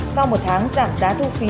sau một tháng giảm giá thu phí